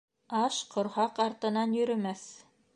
Аш ҡорһаҡ артынан йөрөмәҫ.